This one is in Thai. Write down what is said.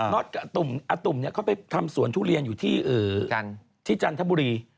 ็อตกับอาตุ่มเขาไปทำสวนทุเรียนอยู่ที่จันทบุรี